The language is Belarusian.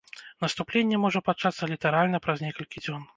Наступленне можа пачацца літаральна праз некалькі дзён.